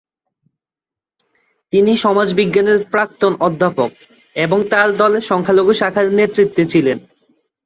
তিনি সমাজবিজ্ঞানের প্রাক্তন অধ্যাপক এবং তাঁর দলের সংখ্যালঘু শাখার নেতৃত্বে ছিলেন।